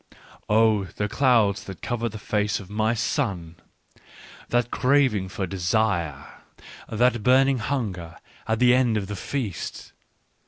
Oh, the clouds that cover the face of my sun ! That craving for desire ! that burning hunger at the end of the feast